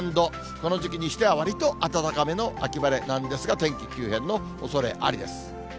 この時期にしてはわりと暖かめの秋晴れなんですが、天気急変のおそれありです。